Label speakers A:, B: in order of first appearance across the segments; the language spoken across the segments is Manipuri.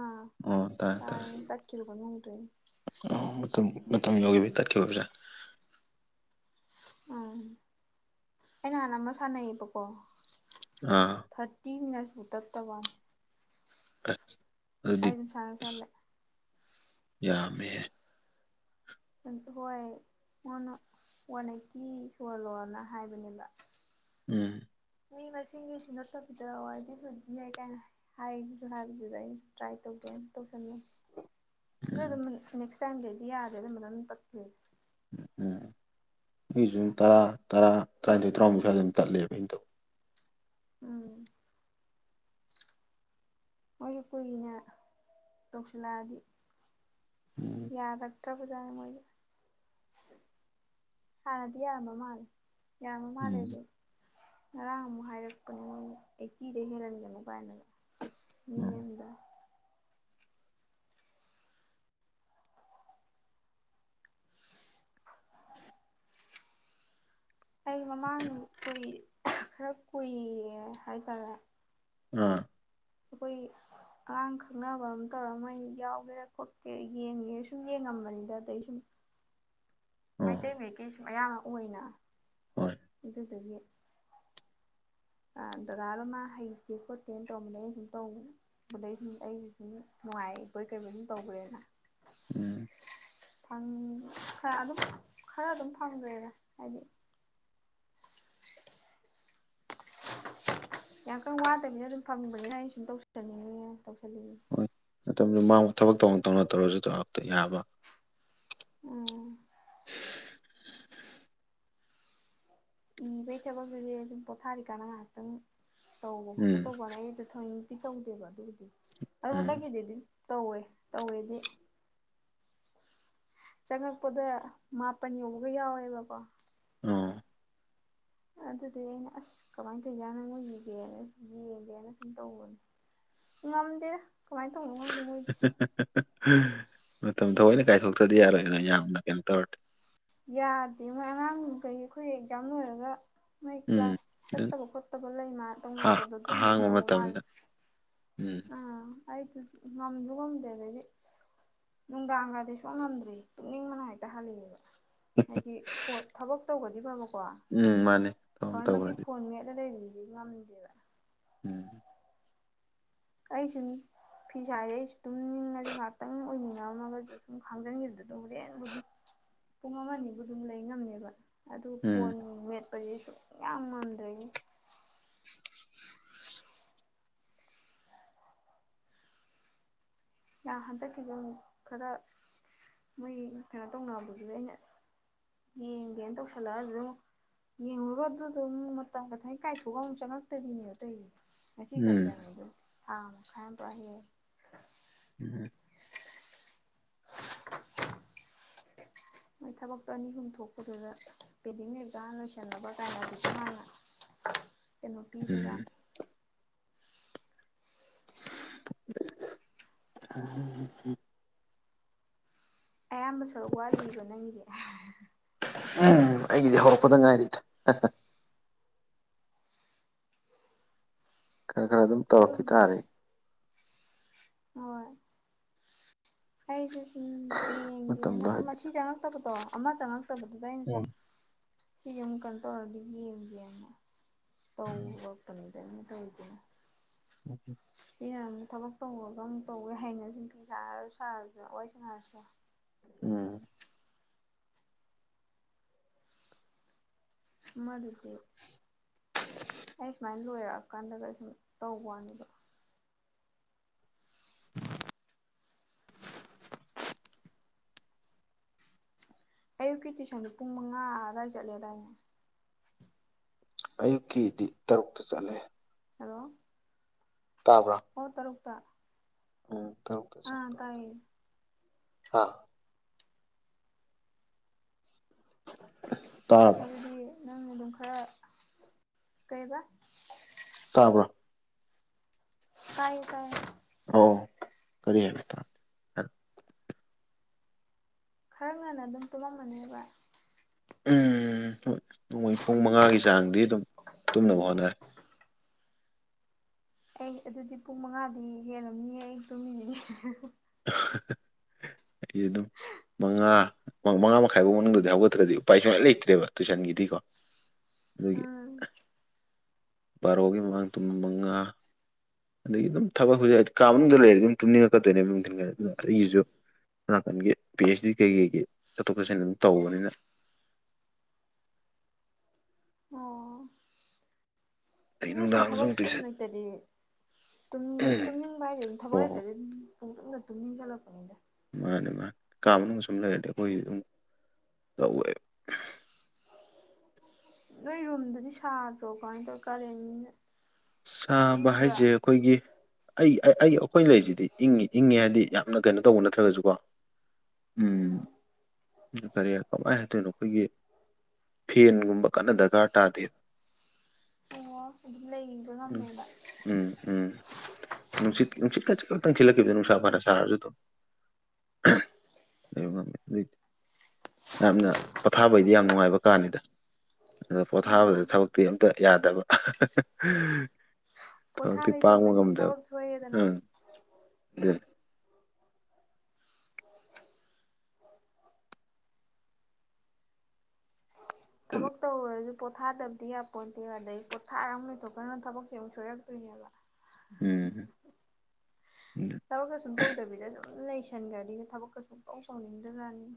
A: ꯑꯥ
B: ꯑꯣ ꯇꯥꯏ ꯇꯥꯏ
A: ꯇꯥꯏꯌꯦ ꯇꯠꯈꯤꯕꯒ ꯅꯨꯡꯗꯣꯏꯅꯦ
B: ꯑ ꯃꯇꯝ ꯌꯧꯕꯤ ꯇꯛꯈꯤꯕꯕꯔꯥ
A: ꯎꯝ ꯑꯩ ꯅꯍꯥꯟ ꯑꯃ ꯁꯥꯟꯅꯩꯌꯦꯕꯀꯣ
B: ꯑꯥ
A: ꯊꯥꯔꯇꯤ ꯃꯕꯨ ꯇꯠꯇꯕꯟ
B: ꯀ
A: ꯑꯁꯅ ꯆꯂꯦ
B: ꯌꯥꯃꯦ
A: ꯑꯇ ꯍꯣꯏ ꯃꯅ ꯋꯥꯟ ꯑꯩꯠꯇꯤ ꯁꯣꯍꯜꯂꯣꯅ ꯍꯥꯏꯕꯅꯦꯕ
B: ꯎꯝ
A: ꯃꯤ ꯃꯁꯤꯡꯒꯤꯁꯨ ꯅꯠꯇꯕꯤꯗꯗ ꯋꯥꯔꯤꯗꯤꯁꯨꯗꯤ ꯀꯥꯏꯅ ꯍꯥꯏꯕꯁꯨ ꯍꯥꯏꯕꯗꯨꯗ ꯑꯩ ꯇ꯭ꯔꯥꯏ ꯇꯧꯒꯦ ꯇꯧꯁꯂ ꯑꯗꯨ ꯑꯗꯨ
B: ꯎꯝ
A: ꯅꯦꯛꯁ ꯇꯥꯏꯝ ꯀ ꯑꯩꯗꯤ ꯌꯥꯗꯦꯗ ꯃꯅꯝ ꯇꯛꯈ꯭ꯔ [unintelligible]
B: ꯑꯩꯁꯨ ꯑꯗꯨꯨꯝ ꯇꯔꯥ ꯇꯔꯥ ꯇꯔꯥꯅꯤꯣꯏ ꯇꯔꯥꯃ ꯁ꯭ꯋꯥꯏ ꯑꯗꯨꯝ ꯆꯠꯂꯦꯕ ꯑꯗꯧ
A: ꯎꯝ ꯃꯣꯏꯒꯤ ꯀꯨꯏꯅ ꯇꯧꯁꯤꯜꯂꯛꯑꯗꯤ
B: ꯎꯝ
A: ꯌꯥꯔ ꯇ ꯄꯨꯖꯥ ꯍꯅꯗꯤ ꯌꯥꯔꯝꯕ ꯃꯥꯅ ꯌꯥꯃ ꯃꯥ
B: ꯎꯝ
A: ꯂꯩꯗꯤ ꯉꯔꯥꯡ ꯑꯃꯨꯛ ꯍꯥꯏꯔꯛꯄꯅꯦ ꯅ ꯑꯩ ꯀꯤꯗ ꯍꯦꯜꯍꯟꯒꯦꯅꯨ ꯀꯥꯏꯅ
B: ꯎꯝ
A: ꯃꯤꯗ ꯑꯩ ꯃꯃꯥꯡ ꯀꯨꯏ ꯈꯔ ꯀꯨꯏꯔꯦ ꯍꯥꯏꯇꯥꯔꯦ
B: ꯑꯥ
A: ꯑꯩꯈꯣꯏ ꯑꯉꯥꯡ ꯈꯪꯅꯕ ꯑꯃ ꯇꯧꯔ ꯃꯣꯏ ꯌꯥꯎꯒꯦꯔꯥ ꯈꯣꯠꯀꯦꯔꯥ ꯌꯦꯡꯉꯦꯔ ꯁꯨꯝ ꯌꯦꯡꯉ ꯑꯃꯅꯤꯗ ꯑꯗꯁꯝ
B: ꯑꯣ
A: ꯃꯩꯇꯩ ꯃꯌꯦꯛꯒꯤꯁꯨ ꯃꯌꯥꯝ ꯑꯣꯏꯅ
B: ꯍꯣꯏ
A: ꯑꯗꯨꯗꯒꯤ ꯗꯗꯥꯔ ꯑꯃ ꯍꯩꯇꯦ ꯈꯣꯠꯇꯦꯅ ꯇꯧꯕꯝꯕꯗ ꯑꯩꯩꯅ ꯁꯨꯝ ꯇꯧ ꯑꯗꯩ ꯁꯨꯝ ꯑꯩꯁꯤ ꯁꯨꯝ ꯅꯨꯡꯉꯥꯏ ꯑꯩꯕꯣꯏ ꯀꯩꯕꯅꯤ ꯇꯧꯧꯕꯔꯦꯅ
B: ꯎꯝ
A: ꯈꯔ ꯑꯗꯨꯝ ꯈꯔ ꯑꯗꯨꯝ ꯐꯪꯗꯦꯔ ꯍꯥꯏꯗꯤ [unintelligible] ꯌꯥꯝ ꯀꯪ ꯋꯥꯗꯕꯤꯅ ꯑꯗꯨꯝ ꯐꯝꯅꯤꯡꯕꯅꯤꯅ ꯑꯩꯩꯅ ꯁꯨꯝ ꯇꯧꯁꯟꯅꯤꯡꯉꯦ ꯇꯧꯁꯅꯤꯡꯉꯦ
B: ꯃꯇꯝꯗꯨ ꯃꯥꯡꯕ ꯊꯕꯛ ꯇꯧꯅ ꯇꯧꯅ ꯇꯧꯔꯁꯨꯇ ꯌꯥꯕ
A: ꯎꯝ ꯎꯝ ꯚꯦꯖꯤꯇꯦꯕꯜꯗꯨꯗꯤ ꯑꯗꯨꯝ ꯄꯣꯊꯥꯔꯤꯀꯥꯟꯅ ꯉꯥꯏꯍꯥꯛꯇꯪ ꯇꯧꯕ ꯈꯣꯠꯀ
B: ꯎꯝ
A: ꯇꯧꯕꯅꯦ ꯑꯩ ꯊꯣꯏꯛꯇꯤ ꯇꯧꯗꯦꯕ ꯑꯗꯨꯒꯤꯗꯤ ꯑ
B: ꯎꯝ
A: ꯍꯟꯗꯛꯀꯤꯗꯤꯗꯤ ꯇꯧꯋꯦ ꯇꯧꯋꯦꯗꯤ ꯆꯪꯉꯛꯄꯗ ꯃꯥꯄꯟ ꯌꯧꯕꯒ ꯌꯥꯎꯋꯦꯕꯀꯣ
B: ꯑꯣ
A: ꯑꯗꯨꯗꯤ ꯑꯩꯅ ꯑꯁ ꯀꯃꯥꯏꯅ ꯇꯧꯏꯅꯪꯉꯨꯒꯤꯒꯦꯅ ꯌꯦꯡꯒꯦꯅ ꯁꯨꯝ ꯇꯧꯕꯅꯦ ꯉꯝꯗꯔ
B: ꯃ ꯃꯇꯝꯝꯗ ꯍꯣꯏꯅꯦ ꯀꯥꯏꯊꯣꯛꯇ꯭ꯔꯗꯤ ꯌꯥꯔꯣꯏ ꯑꯗꯨꯅ ꯌꯥꯝꯅ ꯀꯩꯅꯣ ꯇꯧꯔꯗꯤꯦ
A: ꯌꯥꯗꯦ ꯃꯣꯏ ꯑꯉꯥꯡ ꯀꯩ ꯑꯩꯈꯣꯏ ꯑꯦꯛꯖꯥꯝ ꯂꯣꯏꯔꯒ ꯃꯣꯏ
B: ꯎꯝ
A: ꯀ꯭ꯂꯥꯁ
B: ꯑꯗꯨꯝ
A: ꯆꯠꯇꯕ ꯈꯣꯠꯇꯕ ꯂꯩꯅ
B: ꯍꯥ
A: ꯇꯧꯅꯕꯗꯣ ꯑꯗꯨꯝꯕ
B: ꯑꯍꯥꯡꯕ
A: ꯇꯧꯕ ꯃꯥꯂꯦ
B: ꯃꯇꯝꯗ ꯎꯝ
A: ꯑꯩ ꯉꯝꯁꯨ ꯉꯝꯗꯦ ꯑꯗꯗꯤ ꯅꯨꯡꯗꯥꯡꯒꯗꯤ ꯁꯣꯛ ꯉꯝꯗ꯭ꯔꯤ ꯇꯨꯞꯅꯤꯡ ꯃꯅ ꯍꯦꯛꯇ ꯍꯜꯂꯤꯑꯕ ꯍꯥꯏꯗꯤ ꯐꯣꯟ ꯊꯕꯛ ꯇꯧꯒꯗꯤꯕ ꯑꯃꯀꯣ
B: ꯎꯝ ꯃꯥꯅꯦ ꯇꯧ
A: ꯊꯃꯣꯏꯃꯛꯀꯤ
B: ꯇꯧꯈ꯭ꯔꯗꯤ
A: ꯐꯣꯟ ꯃꯦꯠꯂ ꯂꯩꯔꯤꯗꯤ ꯉꯝꯅꯤꯡꯗꯦꯕ
B: ꯎꯝ
A: ꯀꯥꯏꯁꯨꯅꯤ ꯐꯤ ꯁ ꯍꯥꯏꯔꯦ ꯑꯩꯁꯨ ꯑꯗꯨꯝ ꯅꯤꯡꯉꯁꯨꯦ ꯉꯍꯥꯛꯇꯪ ꯑꯣꯏꯃꯤꯟꯅꯝꯃꯒꯁꯨ ꯁꯨꯝ ꯈꯥꯡꯖꯤꯟꯈꯤꯗꯨꯗꯅ ꯑꯗꯨꯝ ꯍꯣꯔꯦꯟꯕꯨ ꯑꯗꯨ ꯄꯨꯡ ꯑꯃꯅꯤꯕꯨ ꯑꯗꯨꯝ ꯂꯩ ꯉꯝꯅꯦꯕ ꯑꯗꯨ
B: ꯎꯝ
A: ꯐꯣꯟ ꯃꯠ ꯄꯁꯨ ꯌꯥꯝ ꯃꯥꯟꯗ꯭ꯔꯦ ꯍꯟꯗꯛꯀꯤ ꯑꯗꯨꯪ ꯈꯔ ꯃꯣꯏ ꯀꯩꯅꯣ ꯇꯧꯅꯕꯗꯨꯗ ꯑꯩꯅ ꯌꯦꯡꯒꯦꯅ ꯇꯧꯁꯜꯂꯛꯑ ꯑꯗꯨ ꯑꯃꯨꯛ ꯌꯦꯡꯉꯨꯔꯣ ꯑꯗꯨꯗ ꯃꯇꯝ ꯀꯊꯪ ꯀꯥꯏꯊꯣꯛꯑꯒ ꯑꯃꯨꯛ ꯆꯪꯉꯛꯇꯣꯏꯅꯦꯕ ꯑꯇꯩꯁ ꯉ
B: ꯎꯝ
A: ꯈꯔꯆꯅꯤ ꯑꯗꯨ ꯈꯥꯏ ꯄꯍꯤ
B: ꯎꯝꯣꯏ
A: [unintelligible] ꯃꯣꯏ ꯊꯕꯛꯇꯣ ꯑꯅꯤ ꯑꯍꯨꯝ ꯊꯣꯛꯄꯗꯨꯗ ꯄꯦꯗꯤꯡ ꯑꯦꯖꯥ ꯂꯣꯏꯁꯟꯅꯕ ꯀꯥꯏꯅꯗꯤꯁꯨ ꯃꯥꯅ ꯀꯩꯅꯣ
B: ꯎꯝ
A: ꯄꯤꯕꯗꯥꯥ
B: ꯑ
A: ꯑꯌꯥꯝꯕ ꯁꯔ ꯋꯥꯠꯂꯤꯕ ꯅꯪꯁ
B: ꯎꯝ ꯑꯩꯒꯤꯗꯤ ꯍꯧꯔꯛꯄꯗ ꯉꯥꯏꯔꯤꯗ ꯈꯔ ꯈꯔ ꯑꯗꯨꯝ ꯇꯧꯔꯛꯈꯤ ꯇꯥꯔꯦ
A: ꯍ ꯀꯩꯗꯤ
B: ꯃꯇꯝꯗꯣ
A: ꯌꯦꯡꯒꯦꯅ
B: ꯍꯥꯏꯗꯤ
A: ꯁꯤ ꯆꯪꯉꯛꯇꯕꯗꯣ ꯑꯃ ꯆꯪꯉꯛꯇꯕꯗꯨꯗ ꯑꯩꯅ
B: ꯑꯣ
A: ꯁꯨꯝ ꯁꯤ ꯌꯨꯝ ꯀꯟꯇ꯭ꯔꯧꯔꯗꯤꯕꯤꯅ ꯇꯧ ꯋꯥꯄꯅꯤꯗꯅꯤ ꯇꯧ
B: ꯎꯝꯝ
A: ꯏꯌꯥꯝꯅ ꯊꯕꯛ ꯇꯧꯕꯔꯒ ꯑꯃꯨꯛ ꯇꯧꯋꯦ ꯍꯥꯏꯩꯅꯁꯨ ꯐꯤ ꯁꯥꯔꯁꯨ ꯁꯥꯔꯁꯨꯅ ꯋꯥꯔꯤꯣꯏ ꯁꯥꯔꯁꯨ
B: ꯎꯝ
A: ꯃꯗꯨꯗꯤꯦ ꯑꯩ ꯁꯨꯃꯥꯏꯅ ꯂꯣꯏꯔꯛꯑꯀꯥꯟꯗꯒ ꯁꯨꯝ ꯇꯧꯕ ꯋꯥꯅꯤꯗꯣ
B: [inaudible]
A: ꯑꯌꯨꯛꯀꯤ ꯇꯨꯏꯁꯟꯗꯨꯣ ꯄꯨꯡ ꯃꯉꯥ ꯑꯗꯨꯗꯥꯋꯥꯏ ꯆꯠꯂꯦꯗꯏꯅꯦ
B: ꯑꯌꯨꯛꯀꯤꯗꯤ ꯇꯔꯨꯛꯇ ꯆꯠꯂꯦ
A: ꯍꯂꯣ
B: ꯇꯥꯕ꯭ꯔꯥ
A: ꯍ ꯇꯔꯨꯛꯛꯇ
B: ꯎꯝ ꯇꯧꯛꯇ ꯁꯠꯄ ꯍꯥ ꯇꯥꯔꯕ
A: ꯑꯗꯨꯗꯤ ꯅꯪ ꯃꯝ ꯑ ꯀꯩꯗ
B: ꯇꯥꯕ꯭ꯔꯥ
A: ꯀꯥꯏ ꯀꯥꯏ
B: ꯑꯣ ꯀꯔꯤ ꯍꯥꯏ ꯇ
A: ꯈꯔ ꯉꯟꯅ ꯑꯗꯨꯝ ꯇꯨꯝꯂꯝꯝꯃꯅꯦꯕ
B: ꯍꯣꯏ ꯅꯣꯡꯃꯣꯏ ꯄꯨꯡ ꯃꯉꯥꯒꯤ ꯆꯥꯡꯗꯤ ꯑꯗꯨꯝ ꯇꯨꯝꯅꯕ ꯍꯣꯠꯅꯔꯦ
A: ꯑꯩ ꯑꯗꯨꯗꯤ ꯄꯨꯡ ꯃꯉꯥꯗꯤ ꯍꯦꯜꯂꯝꯅꯤ ꯑꯩ ꯇꯨꯝꯃꯤꯅꯤꯅꯤ
B: ꯌꯦꯗꯣ ꯃꯉꯥ ꯃꯉꯥ ꯃꯈꯥꯏ ꯐꯥꯎ ꯃꯅꯨꯡꯗꯗꯤ ꯍꯧꯒꯠꯇ꯭ꯔꯗꯤ ꯎꯄꯥꯏ ꯁꯨꯡꯂꯥꯏꯅ ꯂꯩꯇ꯭ꯔꯦꯕ ꯇꯨꯏꯁꯟꯒꯤꯗꯤꯀꯣ ꯑꯩꯣꯏꯒꯤ
A: ꯎꯝ
B: ꯕꯥꯔꯣꯒꯤ ꯃꯃꯥꯡ ꯇꯨꯝ ꯃꯉꯥ ꯑꯗꯒꯤ ꯑꯗꯨꯝ ꯊꯕꯛ ꯍꯧꯖꯤꯛ ꯍꯥꯏꯗꯤ ꯀꯥ ꯃꯅꯨꯡꯗ ꯂꯩꯔꯗꯤ ꯑꯗꯨꯝ ꯇꯨꯝꯅꯤꯡꯉꯛꯀꯗꯣꯏꯅꯦꯕ ꯅꯨꯡꯊꯤꯟ ꯑꯗꯨꯅ ꯑꯩꯒꯤꯁꯨ ꯅꯥꯀꯟꯒꯤ ꯄꯤ ꯑꯩꯆ ꯗꯤ ꯀꯩꯀꯩꯒꯤ ꯆꯠꯊꯣꯛ ꯆꯠꯁꯤꯟ ꯑꯗꯨꯝ ꯇꯧꯕꯅꯤꯅ
A: [inaudible]
B: ꯑꯗꯩ
A: ꯁꯤꯗ ꯁꯨꯝ
B: ꯅꯨꯡꯗꯥꯡꯗꯁꯨ
A: ꯊꯕꯛ
B: ꯑꯃꯨꯛ
A: ꯁꯨꯝ
B: ꯇꯨꯏꯁꯟ
A: ꯂꯩꯇꯗꯤ
B: ꯎꯝ
A: ꯇꯨꯝꯅꯤꯡꯕ ꯍꯥꯏꯗꯤ ꯑꯗꯨꯝ ꯊꯕꯛ
B: ꯍꯣ ꯍꯣ
A: ꯂꯩꯇꯗꯤ ꯑꯗꯨꯝ ꯠꯇꯝꯃꯤ ꯆꯂꯄꯅꯤꯗ
B: ꯃꯥꯅꯤ ꯃꯥꯅꯤ ꯀꯥ ꯃꯅꯨꯡꯗ ꯁꯨꯝ ꯂꯩꯒꯗꯤ ꯑꯩꯈꯣꯏ ꯑꯗꯨꯝ ꯇꯧꯦ
A: ꯅꯣꯏ ꯔꯨꯝꯗꯨꯗꯤ ꯁꯥꯗ꯭ꯔꯣ ꯀꯃꯥꯏꯅ ꯇꯧ ꯀꯔꯦꯟꯅꯤꯅ
B: ꯁꯥꯕ ꯍꯥꯏꯁꯦ ꯑꯩꯈꯣꯏꯒꯤ ꯑꯩ ꯑꯦ ꯑꯩ ꯑꯩꯈꯣꯏ ꯂꯩꯁꯤꯗꯤ ꯏꯪꯉꯤ ꯏꯪꯉꯤ ꯍꯥꯏꯗꯤ ꯌꯥꯝꯅ ꯀꯩꯅꯣ ꯇꯧꯕ ꯅꯠꯇ꯭ꯔꯒꯁꯨꯀꯣ ꯎꯝ ꯀꯔꯤ ꯀꯃꯥꯏ ꯑꯗꯨ ꯑꯩꯈꯣꯏꯒꯤ ꯐꯦꯟꯒꯨꯝꯕ ꯀꯟꯅ ꯗꯔꯀꯥꯔ ꯇꯥꯗꯦꯕ
A: ꯑꯣꯉ ꯑꯗꯨꯝ ꯂꯩ
B: ꯎ ꯎꯝ ꯎꯝ ꯅꯨꯡꯁꯤꯠ ꯅꯨꯡꯁꯤꯠ ꯀ ꯆꯇꯪ ꯊꯤꯜꯂꯛ ꯗ ꯅꯨꯡꯁꯥ ꯐꯥꯔ ꯁꯥꯔꯁꯨ ꯑꯗꯨ ꯂꯩꯕ ꯉꯝꯃꯦ ꯑꯗꯨ ꯌꯥꯝꯅ ꯄꯊꯥꯕꯩꯗꯤ ꯌꯥꯝ ꯅꯨꯡꯉꯥꯏꯕ ꯀꯥꯅꯤꯗ ꯑꯗ
A: ꯑꯣ
B: ꯄꯣꯊꯥꯕꯗ ꯊꯕꯛꯇꯤ ꯑꯝꯇ ꯌꯥꯗꯕ
A: ꯄꯣꯊꯥ
B: ꯊꯕꯛꯇꯤ ꯄꯥꯡꯕ
A: ꯂꯩꯊꯣꯛꯀꯗꯤ
B: ꯉꯝꯗꯕ
A: ꯊꯕꯛ ꯁꯣꯏꯑꯦꯗꯅ
B: ꯎꯝ [inaudible]
A: ꯊꯕꯛ ꯇꯧ ꯑꯣꯏꯔꯁꯨ ꯄꯣꯊꯥꯗꯕꯗꯤ ꯌꯥ ꯄꯣꯠꯇꯦ ꯑꯗꯩ ꯄꯣꯠꯊꯥꯔ ꯂꯣꯏꯊꯣꯛ ꯀꯅ ꯊꯕꯛꯁꯦ ꯑꯃꯨꯛꯣꯏꯔꯛꯇꯣꯏꯅꯦꯕ ꯍ ꯍ
B: ꯎꯝ
A: ꯍ ꯊꯕꯛꯀ ꯁꯨꯝ ꯇꯧꯗꯕꯤꯗ ꯑꯁꯨꯝ ꯂꯩꯁꯟꯒ꯭ꯔꯗꯤꯅ ꯊꯕꯛꯀ ꯁꯨꯨꯡꯇꯧ ꯇꯧꯅꯤꯡꯗꯥ ꯖꯥꯠꯅꯤ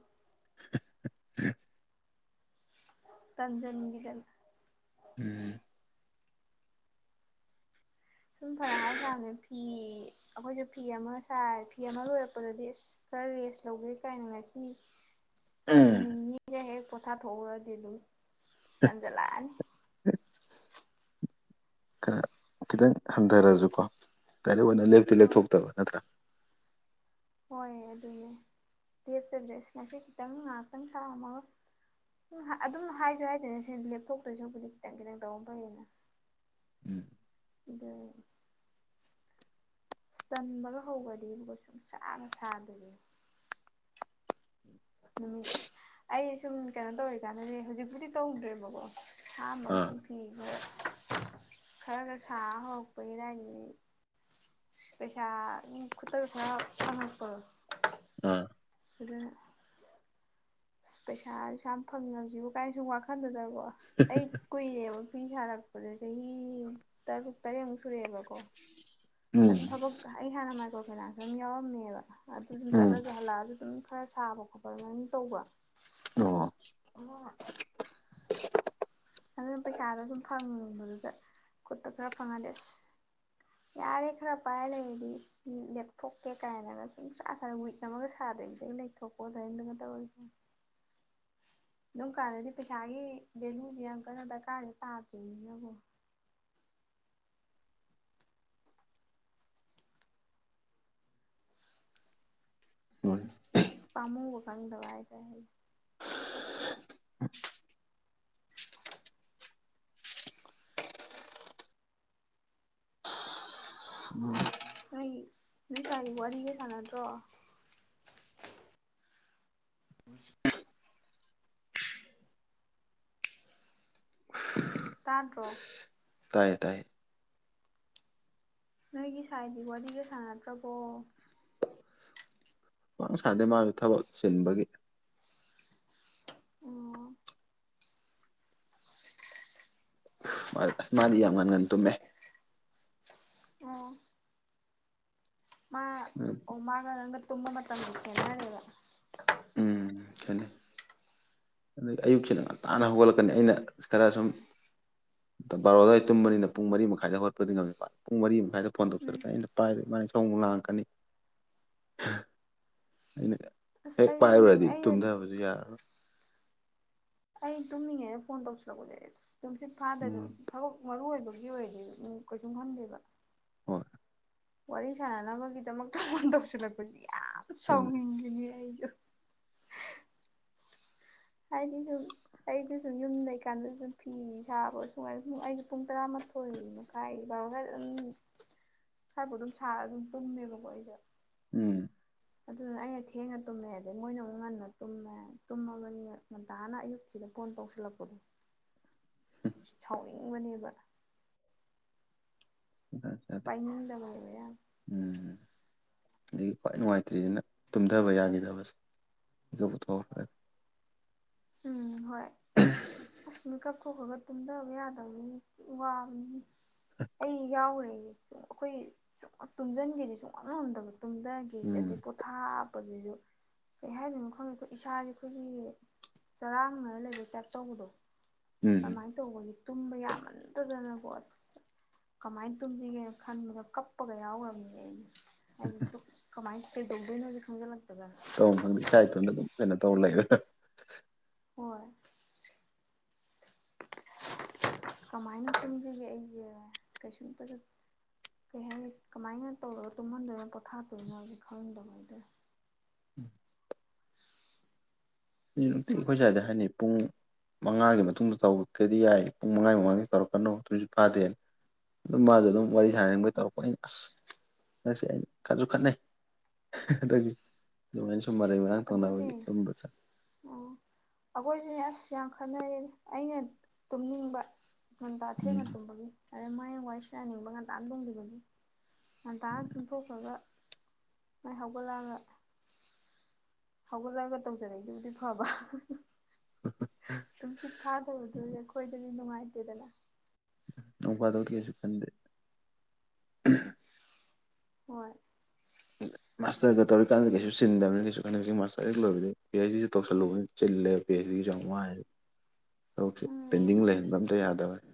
B: ꯊꯦ
A: ꯇꯟꯖꯟꯒꯤꯗꯅ
B: ꯎꯝ
A: ꯁꯨꯝ ꯐꯅ ꯍꯥꯏ ꯁꯥꯥꯕꯅꯤ ꯐꯤ ꯑꯈꯣꯏꯁꯨ ꯐꯤ ꯑꯃ ꯁꯥꯏ ꯐꯤ ꯑꯃ ꯂꯣꯏꯔꯛꯄꯗꯗꯤ ꯑꯁ ꯈꯔ ꯔꯦꯁ ꯂꯧꯒꯦ ꯀꯥꯏꯅ ꯉꯁꯤ
B: ꯎꯝ
A: ꯅꯨꯃꯤꯠ ꯅꯤꯅꯤꯒ ꯍꯦꯛ ꯄꯣꯊꯥ ꯊꯣꯛꯎꯔꯗꯤ ꯑꯗꯨꯝ ꯇꯟꯖꯜꯂꯛꯑꯅꯤ
B: ꯑ ꯈꯤꯇꯪ ꯍꯟꯗꯔꯖꯨꯀꯣ ꯗꯥꯏꯔꯦꯛ ꯑꯣꯏꯅ ꯂꯦꯞꯇꯤ
A: ꯍꯣꯏ
B: ꯂꯦꯞꯊꯣꯛꯇꯕ ꯅꯠꯇ꯭ꯔꯥ
A: ꯍꯣꯏ ꯑꯗꯨꯅꯦ ꯗꯦꯠꯇꯗꯤ ꯑꯁ ꯉꯁꯤ ꯈꯤꯇꯪ ꯉꯥꯛꯇꯪ ꯊꯥ ꯑꯃꯒ ꯑꯗꯨꯝ ꯍꯥ ꯑꯗꯨꯝ ꯍꯥꯏꯖꯨ ꯍꯥꯏꯗꯣꯏꯅꯦ ꯁꯦ ꯂꯦꯞꯊꯣꯛꯇꯣꯏ ꯁꯔꯨꯛꯄꯨꯗꯤ ꯈꯤꯇꯪ ꯈꯤꯇꯪ ꯇꯧꯕ ꯐꯩꯌꯦꯅ
B: ꯎꯝ
A: ꯑꯗ ꯇꯟꯕꯒ ꯍꯧꯒ꯭ꯔꯗꯤꯕꯀꯣ ꯁꯨꯡꯁꯥꯒ ꯁꯥꯗꯕꯤꯅꯤ ꯅꯨꯃꯤꯠ ꯑꯩ ꯁꯨꯝ ꯀꯩꯅꯣ ꯇꯧꯔꯤꯀꯥꯟꯗꯅꯦ ꯍꯨꯖꯤꯛꯄꯨꯗꯤ ꯇꯧꯗ꯭ꯔꯦꯕꯀꯣ
B: ꯑꯥ
A: [unintelligible] ꯈꯔꯒ ꯁꯥ ꯍꯧꯔꯛꯄꯩ ꯑꯗꯥꯏꯗꯨꯗꯗꯤ ꯄꯩꯁꯥ ꯎꯝ ꯈꯨꯠꯇꯒ ꯈꯔ ꯐꯪꯉꯛꯄꯗꯣ
B: ꯑꯥ
A: ꯑꯗꯨꯅ ꯄꯩꯁꯥꯁꯨ ꯑꯁꯨꯛꯌꯥꯝ ꯐꯪꯉꯖꯤꯕꯨ ꯀꯥꯏ ꯁꯨꯝ ꯋꯥꯈꯟꯗꯨꯗꯕ ꯑꯣ ꯑꯩ ꯀꯨꯏꯔꯦꯕ ꯐꯤ ꯁꯥꯔꯛ ꯄꯖꯦ ꯆꯍꯤ ꯇꯔꯨꯛ ꯇꯔꯦꯠꯃꯨꯛ ꯁꯨꯔꯛꯑꯦꯕꯀꯣ
B: ꯎꯝ
A: ꯑꯗꯨꯝ ꯊꯕꯛ ꯀ ꯑꯩ ꯍꯥꯟꯅ ꯃꯥꯏꯀ꯭ꯔꯣ ꯐꯥꯏꯅꯥꯟꯁ ꯑꯝ ꯌꯥꯎꯔꯝꯃꯦꯕ ꯑꯗꯨ ꯑꯗꯨꯝ
B: ꯎꯝ
A: ꯆꯠꯂꯒ ꯍꯜꯂꯛꯑꯒ ꯑꯗꯨꯝ ꯈꯔ ꯁꯥꯕ ꯈꯣꯠꯄ ꯑꯗꯨꯃꯥꯏꯅ ꯇꯧꯕ
B: ꯑꯗꯨꯕꯨ
A: ꯑꯗ ꯅꯪ ꯄꯩꯁꯥꯗꯣ ꯑꯗꯨꯝ ꯐꯪꯕꯗꯨꯗ ꯈꯨꯠꯇ ꯈꯔ ꯐꯪꯍꯜꯂꯦ ꯑꯁ ꯌꯥꯔꯦ ꯈꯔ ꯄꯥꯏꯔ ꯂꯩꯔꯗꯤ ꯁꯤ ꯂꯦꯞꯊꯣꯛꯀꯦ ꯀꯥꯏꯅꯒ ꯁꯨꯡꯁꯥ ꯁꯥꯅ ꯋꯤꯛ ꯑꯃꯒ ꯁꯥꯗꯕꯤꯗ ꯑꯩ ꯂꯩꯊꯣꯛ ꯀꯣꯜ ꯐ꯭ꯔꯦꯟꯗꯒ ꯇꯧꯋꯦ ꯎꯝ ꯑꯗꯨꯝ ꯀꯥꯟꯗꯗꯤ ꯄꯩꯁꯥꯒꯤ ꯕꯦꯂꯨꯖꯦ ꯌꯥꯝ ꯀꯟꯅ ꯗꯔꯀꯥꯔꯖꯦ ꯇꯥꯗ꯭ꯔꯤꯃꯤꯅ ꯑꯃꯨꯛ
B: [unintelligible]
A: ꯄꯥꯃꯨꯕ ꯈꯪꯗꯕ ꯍꯥꯏꯇꯥꯔꯦ ꯅꯣꯏꯒꯤ ꯅꯣꯏ ꯁꯥꯏꯗꯤ ꯋꯥꯔꯤꯒ ꯁꯥꯟꯅꯗ꯭ꯔꯣ ꯇꯥꯥꯗ꯭ꯔꯣ
B: ꯇꯥꯏꯌꯦ ꯇꯥꯏꯌꯦ
A: ꯅꯣꯏꯒꯤ ꯁꯥꯏꯗꯤ ꯋꯥꯔꯤꯒ ꯁꯥꯟꯅꯗ꯭ꯔꯕꯣ
B: ꯄꯥꯛꯅ ꯁꯥꯟꯅꯗꯦ ꯃꯥꯖꯨ ꯊꯕꯛ ꯆꯤꯟꯕꯒꯤ
A: ꯑꯣ
B: ꯃꯥ ꯑꯁ ꯃꯥꯗꯤ ꯌꯥꯝ ꯉꯟ ꯉꯟꯅ ꯇꯨꯝꯃꯦ
A: ꯑꯣ ꯃꯥ ꯑꯣ ꯃꯥꯒ ꯅꯪꯒ ꯇꯨꯝꯕ ꯃꯇꯝ ꯑꯃꯨꯛ ꯈꯦꯠꯅꯔꯦꯕ
B: ꯎꯝ ꯈꯦꯠꯅꯩ ꯑꯗꯩ ꯑꯌꯨꯛꯁꯤꯅ ꯉꯟꯇꯥꯥꯅ ꯍꯧꯒꯠꯂꯛꯀꯅꯤ ꯑꯩꯅ ꯈꯔ ꯁꯨꯝ ꯕꯥꯔꯣ ꯑꯗ꯭ꯋꯥꯏ ꯑꯩ ꯇꯨꯝꯕꯅꯤꯅ ꯄꯨꯡ ꯃꯔꯤ ꯃꯈꯥꯏꯗ ꯍꯣꯠꯄꯗꯤ ꯉꯝꯗꯦ ꯐꯠ ꯄꯨꯡ ꯃꯔꯤ ꯃꯈꯥꯏꯗ ꯐꯣꯟ
A: ꯎꯝ
B: ꯇꯧꯁꯜꯂꯛꯀꯅꯤ ꯑꯩꯅ ꯄꯥꯏꯔꯣꯏ ꯃꯥꯥꯅ ꯏꯁꯧ ꯑꯃꯨꯛ ꯂꯥꯡꯉꯛꯀꯅꯤ ꯍꯍ ꯑꯩꯅ
A: ꯑꯁ
B: ꯍꯦꯛ
A: ꯑꯩꯁꯨꯅꯤꯅꯦ
B: ꯄꯥꯏꯔꯨꯔꯗꯤ
A: ꯑꯩꯅ
B: ꯇꯨꯝꯗꯕꯖꯨ ꯌꯥꯔꯣꯏ
A: ꯑꯩ ꯇꯨꯝꯃꯤꯉꯩꯅ ꯐꯣꯟ ꯇꯧꯁꯤꯜꯂꯛꯄꯖꯦ ꯑꯦꯁ ꯇꯨꯝꯁꯤꯠ ꯐꯥꯗꯕꯤꯗ
B: ꯎꯝ
A: ꯊꯕꯛ ꯃꯔꯨ ꯑꯣꯏꯕ ꯑꯗꯨꯒꯤ ꯑꯣꯏꯔꯗꯤ ꯎꯝ ꯀꯩꯁꯨꯝ ꯈꯟꯗꯦꯕ
B: ꯍꯣꯏ
A: ꯋꯥꯔꯤ ꯁꯥꯟꯅꯅꯕꯒꯤꯗꯃꯛꯇ ꯐꯣꯟ ꯇꯧꯁꯤꯜꯂꯛꯄꯁꯤ ꯌꯥꯝ
B: ꯑꯗꯨꯅꯤ
A: ꯁꯥꯎꯅꯤꯡꯕꯅꯤ ꯑꯩ ꯂꯧꯁꯤꯟꯕ ꯉꯝꯗꯕ ꯍꯥꯏꯗꯤ ꯁꯨꯝ ꯑꯩꯗ ꯁꯨꯝ ꯌꯨꯝ ꯂꯩꯀꯥꯟꯗ ꯁꯨꯝ ꯐꯤ ꯁꯥꯕ ꯁꯉꯥꯏ ꯑꯩꯁꯨ ꯄꯨꯡ ꯇꯔꯥ ꯊꯣꯛ ꯃꯈ ꯀꯥꯏꯕ ꯍ ꯎꯝ ꯍꯥꯏꯕꯨꯨ ꯑꯗꯨꯝ ꯁꯥꯔꯒ ꯑꯗꯨꯝ ꯇꯨꯝꯃꯦꯕꯀꯣ ꯑꯩꯁꯦ
B: ꯎꯝ
A: ꯑꯗꯨꯗꯨꯅ ꯑꯩꯅ ꯊꯦꯡꯅ ꯇꯨꯝꯃꯦ ꯑꯗꯩ ꯃꯣꯏꯅ ꯑꯃꯨꯛ ꯉꯟꯅ ꯇꯨꯝꯃꯦ ꯇꯨꯝꯃꯕꯅꯤꯅ ꯉꯟꯇꯥꯅ ꯑꯌꯨꯛꯁꯤꯗ ꯐꯣꯟ ꯇꯧꯁꯤꯜꯂꯛꯄꯗꯣ ꯁꯥꯎꯅꯤꯡꯕꯅꯦꯕ
B: ꯖꯥꯠ ꯖꯥꯠꯅꯤ
A: ꯄꯩꯅꯅꯤꯡꯗꯕꯔꯕ ꯌꯥꯝ
B: ꯎꯝ ꯑꯗꯒꯤ ꯈ꯭ꯋꯥꯏ ꯅꯨꯡꯉꯥꯏꯇ꯭ꯔꯤꯁꯤꯅ ꯇꯨꯝꯊꯕ ꯌꯥꯈꯤꯗꯕꯁꯦ ꯑꯩꯒ ꯄꯨꯊꯣꯛꯈ꯭ꯔꯗꯤ
A: ꯎꯝ ꯍ ꯑꯀ ꯈꯈ ꯈꯔ ꯈ ꯇꯨꯝꯊꯕ ꯌꯥꯗꯕꯅꯤ ꯋꯥꯕꯅꯤ ꯑꯩ ꯌꯥꯎꯔꯦ ꯑꯩꯈꯣꯏ ꯁꯨꯡ ꯇꯨꯝꯁꯤꯟꯒꯦꯗꯤ ꯁꯨꯡꯃꯝ ꯉꯝꯗꯕ ꯇꯨꯝꯊꯒꯦꯁ ꯑꯗꯩ
B: ꯎꯝ
A: ꯄꯣꯊꯥꯞ ꯗꯨꯁꯨ ꯀꯩ ꯍꯥꯏꯗꯣꯏꯅꯣ ꯈꯪꯉꯦ ꯑꯩꯈꯣꯏ ꯏꯁꯥꯁꯦ ꯑꯩꯈꯣꯏꯒꯤ ꯆꯔꯥꯅꯔ ꯂꯩꯔꯦ ꯇꯥꯏꯞ ꯇꯧꯕꯗꯣ
B: ꯎꯝ
A: ꯀꯃꯥꯏꯅ ꯇꯧꯕꯒ ꯇꯨꯝꯕ ꯌꯥꯝꯃꯟꯊꯗꯅꯀꯣ ꯑꯁ ꯀꯃꯥꯏꯅ ꯇꯁꯤ ꯈ ꯃ ꯀꯞꯄꯒ ꯀꯃꯥꯏ ꯅꯖꯤ ꯈꯪ ꯂꯦ
B: ꯇꯧ ꯈꯪꯗꯦ ꯏꯁꯥ ꯏꯇꯣꯟꯗ ꯑꯗꯨꯝ ꯀꯩꯅꯣ ꯇꯧꯔ ꯂꯩꯕ
A: ꯍꯣꯏ ꯀꯃꯥꯏꯅ ꯊꯖꯒꯦ ꯑꯩ ꯀꯩꯁꯇ ꯀꯩ ꯍꯥꯏ ꯀꯃꯥꯏꯅ ꯇꯧꯔꯒ ꯇꯨꯝꯍꯟꯗꯣꯏꯅꯣ ꯄꯣꯊꯥꯠꯇꯣꯏꯅꯣꯗꯤ ꯈꯪꯗꯕꯩꯗ [unintelligible]
B: ꯅꯨꯡꯇꯤ ꯑꯩꯈꯣꯏ ꯁ꯭ꯋꯥꯏꯗ ꯍꯥꯏꯅꯩ ꯄꯨꯡ ꯃꯉꯥꯒꯤ ꯃꯇꯨꯡꯗ ꯇꯧꯔꯛꯒꯗꯤ ꯌꯥꯏ ꯄꯨꯡ ꯃꯉꯥꯒꯤ ꯃꯃꯥꯡꯗꯒꯤ ꯇꯧꯔꯛꯀꯅꯨ ꯑꯗꯨꯁꯨꯛ ꯐꯥꯗꯦꯅ ꯑꯗꯨ ꯃꯥꯁꯨ ꯑꯗꯨꯝ ꯋꯥꯔꯤ ꯁꯥꯟꯅꯅꯤꯡꯕꯒꯤ ꯇꯧꯔꯛꯄ ꯑꯩꯅ ꯑꯁ ꯉ ꯑꯩꯅ ꯈꯠꯁꯨ ꯈꯠꯅꯩ ꯑꯗꯒꯤ ꯑꯗꯨꯃꯥꯏꯅ ꯁꯨꯝ ꯃꯔꯩ ꯃꯔꯥꯡ
A: ꯑꯗꯨꯅꯦ
B: ꯇꯧꯅꯕꯒꯤ ꯑꯗꯨꯝꯕ ꯆꯠ
A: ꯑꯣ ꯑꯩꯈꯣꯏꯁꯨꯅꯦ ꯑꯁ ꯌꯥꯡꯈꯩ ꯈꯟꯅꯔꯌꯦꯅꯦ ꯑꯩꯅ ꯇꯨꯝꯅꯤꯡꯕ ꯟꯗꯥ ꯊꯦꯡꯅ
B: ꯎꯝ
A: ꯇꯨꯝꯕꯒꯤ ꯑꯗꯩ ꯃꯥꯏ ꯋꯥꯏ ꯁ ꯌꯥꯅꯤꯡꯕ ꯉꯟꯇꯥꯅ ꯇꯣꯡꯕꯤꯕꯅꯤ ꯉꯟꯇꯥꯅ ꯆꯨꯝꯊꯣꯛꯈ꯭ꯔꯒ ꯃꯥꯏꯍꯥꯛꯒꯂꯉ ꯍꯧꯒꯠꯂꯒ ꯇꯧꯖꯔꯛꯏꯗꯨꯕꯨꯗꯤ ꯐꯕ ꯅꯨꯡꯁꯤꯠ ꯐꯥꯗꯕꯗꯨ ꯑꯩꯈꯣꯏꯗꯗꯤ ꯅꯨꯡꯉꯥꯏꯇꯦꯗꯅ
B: ꯎ ꯋꯥꯗꯧ ꯀꯩꯁꯨ ꯀꯟꯗꯦ
A: ꯍꯣꯏ
B: ꯃꯥꯁꯇꯔꯒ ꯇꯧꯔꯤꯀꯥꯟꯗ ꯀꯩꯁꯨ ꯁꯤꯤꯟꯗꯕꯅꯤ ꯀꯩꯁꯨ ꯈꯟꯗꯦ ꯃꯥꯁꯇꯔ ꯍꯦꯛ ꯂꯣꯏꯕꯗꯤ ꯄꯤ ꯑꯩꯆ ꯗꯤꯦ ꯇꯧꯁꯜꯂꯨꯕ ꯄꯦꯁ ꯆꯃꯣ
A: [unintelligible]
B: ꯊꯕꯛꯁꯦ
A: ꯎꯝ
B: ꯄꯦꯟꯗꯤꯡ ꯂꯩꯍꯟꯕ ꯑꯝꯇ ꯌꯥꯗꯕꯅꯤ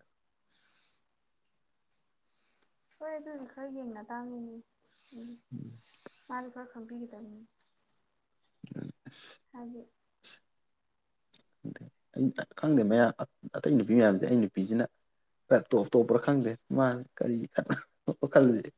A: ꯍꯣꯏ ꯑꯗꯨꯗꯤ ꯈꯔ ꯌꯦꯡꯅ ꯇꯥꯡꯉꯤꯅꯤ ꯎꯝ ꯃꯥꯅ ꯈꯔ ꯀꯝꯄꯤꯒꯗ
B: ꯑ
A: ꯍꯥꯏꯗꯤ
B: ꯈꯪꯗ ꯑ ꯈꯪꯗꯦ ꯃꯌꯥꯝ ꯑꯇꯩ ꯅꯨꯄꯤ ꯃꯌꯥꯝꯗꯤ ꯑꯩ ꯅꯨꯄꯤꯁꯤꯅ ꯈ ꯇꯣꯞ ꯇꯣꯞꯄ꯭ꯔꯥ ꯈꯪꯗꯦ ꯃꯥꯁ ꯀꯔꯤ ꯈꯣꯞꯄ ꯈꯜꯂꯨꯁꯦ